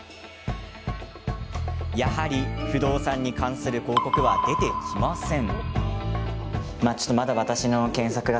やはり不動産に関する広告は出てきません。